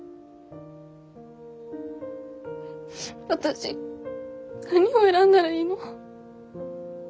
私何を選んだらいいの？